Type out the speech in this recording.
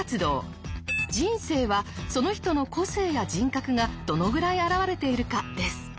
人生はその人の個性や人格がどのぐらい表れているかです。